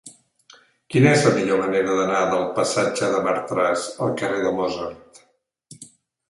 Quina és la millor manera d'anar del passatge de Martras al carrer de Mozart?